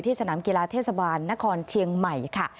สนามกีฬาเทศบาลนครเชียงใหม่ค่ะ